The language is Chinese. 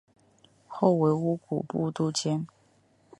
后为乌古部都监。